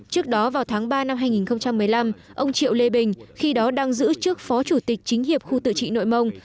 trước đó vào tháng ba năm hai nghìn một mươi năm ông triệu lê bình khi đó đang giữ chức phó chủ tịch chính hiệp khu tự trị nội mông